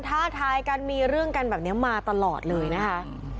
ท้าทายกันมีเรื่องกันแบบนี้มาตลอดเลยนะคะ